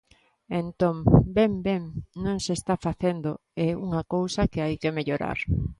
Entón, ben, ben, non se está facendo, é unha cousa que hai que mellorar.